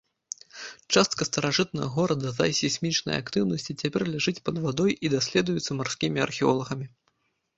Частка старажытнага горада з-за сейсмічнай актыўнасці цяпер ляжыць пад вадой і даследуецца марскімі археолагамі.